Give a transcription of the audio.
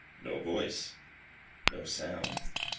No voice. No sound.